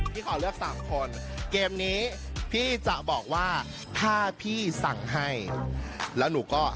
ขอเลือกสามคนเกมนี้พี่จะบอกว่าถ้าพี่สั่งให้แล้วหนูก็